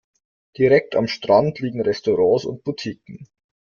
Direkt am Strand liegen Restaurants und Boutiquen.